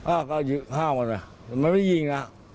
อ่ะก็ห้ามมาเลยมันไม่ยิงนะ